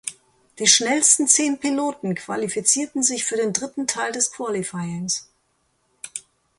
Die schnellsten zehn Piloten qualifizierten sich für den dritten Teil des Qualifyings.